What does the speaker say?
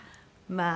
まあ。